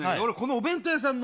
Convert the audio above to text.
お弁当屋さんだ。